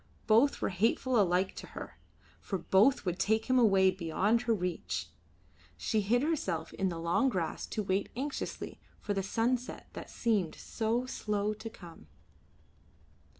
Both were hateful alike to her, for both would take him away beyond her reach. She hid herself in the long grass to wait anxiously for the sunset that seemed so slow to come.